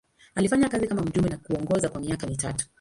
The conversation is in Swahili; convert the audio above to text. Alifanya kazi kama mjumbe na kuongoza kwa miaka mitatu.